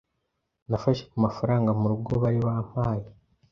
Nafashe ku mafaranga mu rugo bari bampaye